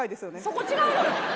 そこ違うよ！